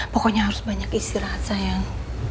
pokoknya harus banyak istirahat sayang